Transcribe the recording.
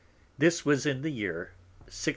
This was in the Year 1674.